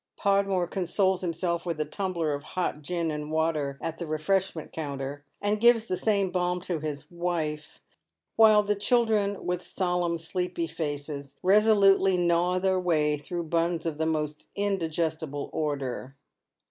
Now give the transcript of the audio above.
Podmore consoles himself with a tumbler of hot gin and water at the refreshment counter, and gives the same balm to his wife ; while the children, with solemn sleepy faces, resolutely gnaw their way through buns of the most indigestible order.